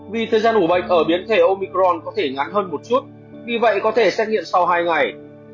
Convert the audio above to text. vì thời gian ủ bệnh ở biến thể omicron có thể ngắn hơn một chút vì vậy có thể xét nghiệm sau hai ngày